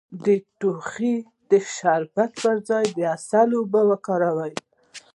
د ټوخي د شربت پر ځای د عسل اوبه وکاروئ